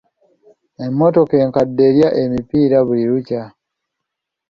Emmotoka enkadde erya emipiira buli lukya.